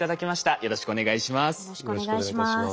よろしくお願いします。